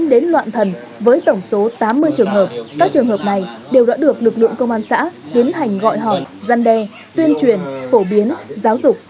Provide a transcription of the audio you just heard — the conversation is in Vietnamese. các trường hợp này đều đã được lực lượng công an xã tiến hành gọi hỏi gian đe tuyên truyền phổ biến giáo dục